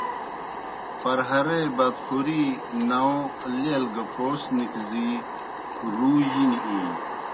پرہارے بادخوری، ناؤں، لیل گہ پوس نِکھزی رُو جِنیْ اِینیْ۔